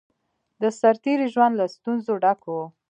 د سرتېری ژوند له ستونزو ډک وو